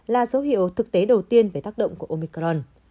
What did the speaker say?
là dấu hiệu thực tế đầu tiên về tác động của omicron